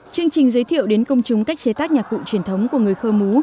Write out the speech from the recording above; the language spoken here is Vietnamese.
chương trình giới thiệu đến công chúng cách chế tác nhạc cụ truyền thống của người khơ mú